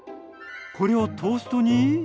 これをトーストに？